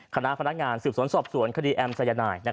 คณะพนักงานสืบสวนสอบสวนคดีแอมสายนาย